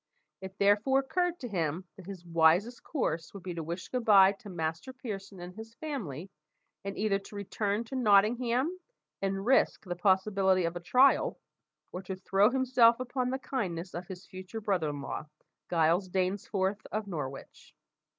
It therefore occurred to him that his wisest course would be to wish good bye to Master Pearson and his family, and either to return to Nottingham and risk the possibility of a trial, or to throw himself upon the kindness of his future brother in law, Giles Dainsforth of Norwich.